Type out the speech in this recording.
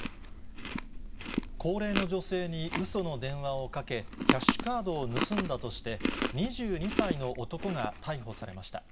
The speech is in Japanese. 高齢の女性にうその電話をかけ、キャッシュカードを盗んだとして、２２歳の男が逮捕されました。